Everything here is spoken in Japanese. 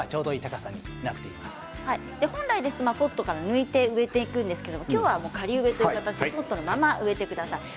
本来ですとポットから抜いて植えていくんですが今日は仮植えでポットのまま植えてください。